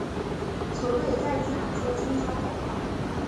球队也再一次喊出了冲超口号。